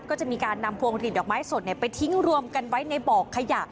ก็จะมีการนำพวงหลีดดอกไม้สดไปทิ้งรวมกันไว้ในบ่อขยะ